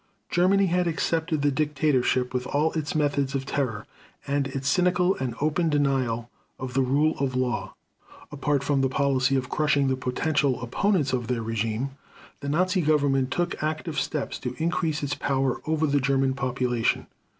Germany had accepted the dictatorship with all its methods of terror, and its cynical and open denial of the rule of law. Apart from the policy of crushing the potential opponents of their regime, the Nazi Government took active steps to increase its power over the German population.